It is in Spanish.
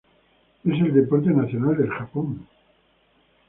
Es el deporte nacional del Japón.